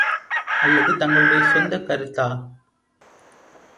அல்லது தங்களுடைய சொந்தக் கருத்தா?